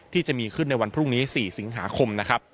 ที่จะมีขึ้นในวันพรุ่งนี้๔สิงหาคมนะครับ